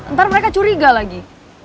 ntar mereka curiga lagi